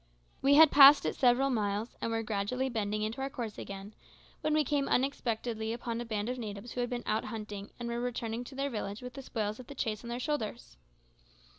We had passed it several miles, and were gradually bending into our course again, when we came unexpectedly upon a band of natives who had been out hunting and were returning to their village with the spoils of the chase on their shoulders.